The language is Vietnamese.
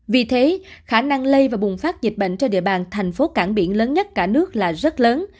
vì thế khả năng lây và bùng phát dịch bệnh trên địa bàn thành phố cảng biển lớn nhất cả nước là rất lớn